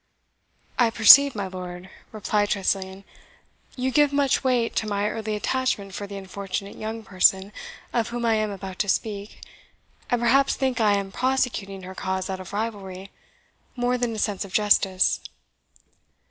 "I perceive, my lord," replied Tressilian, "you give much weight to my early attachment for the unfortunate young person of whom I am about to speak, and perhaps think I am prosecuting her cause out of rivalry, more than a sense of justice."